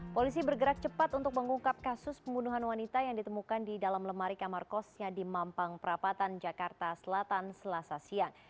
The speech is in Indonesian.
polisi bergerak cepat untuk mengungkap kasus pembunuhan wanita yang ditemukan di dalam lemari kamar kosnya di mampang perapatan jakarta selatan selasa siang